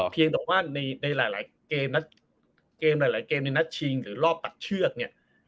เพียงแต่ว่าในหลายเกมหลายเกมในนัดชิงหรือรอบตัดเชือกเนี่ย